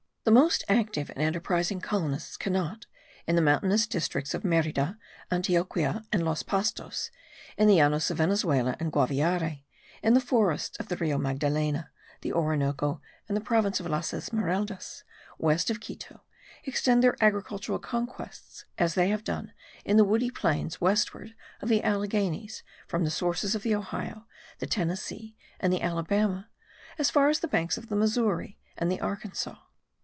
The most active and enterprising colonists cannot, in the mountainous districts of Merida, Antioquia, and Los Pastos, in the llanos of Venezuela and Guaviare, in the forests of the Rio Magdalena, the Orinoco, and the province of Las Esmeraldas, west of Quito, extend their agricultural conquests as they have done in the woody plains westward of the Alleghenies, from the sources of the Ohio, the Tennessee and the Alabama, as far as the banks of the Missouri and the Arkansas.